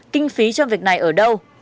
kinh phí trong việc này ở đâu